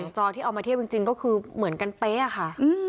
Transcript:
จอที่เอามาเทียบจริงก็คือเหมือนกันเป๊ะค่ะ